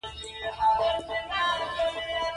د لېسنس جوړول د ترافیکو اصول منل دي